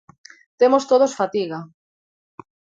Temos todos fatiga.